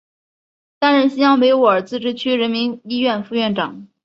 担任新疆维吾尔自治区人民医院副院长。